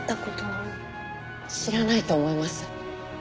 知らないと思います。